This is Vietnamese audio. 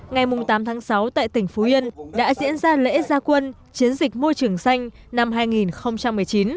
ngày tám tháng sáu tại tỉnh phú yên đã diễn ra lễ gia quân chiến dịch môi trường xanh năm hai nghìn một mươi chín